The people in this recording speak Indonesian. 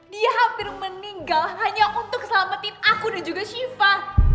dia hampir meninggal hanya untuk selamatin aku dan juga shiva